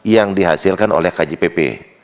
yang dihasilkan oleh kjpp